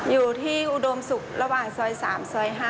อยู่ที่อุโดมสุกระหว่างซอย๓ซอย๕